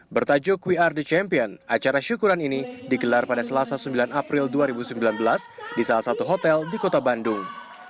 bertajuk we are the champion acara syukuran ini digelar pada selasa sembilan april dua ribu sembilan belas di salah satu hotel di kota bandung